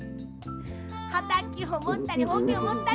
はたきをもったりほうきをもったり。